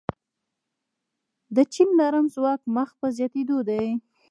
د چین نرم ځواک مخ په زیاتیدو دی.